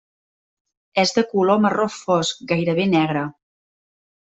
És de color marró fosc, gairebé negre.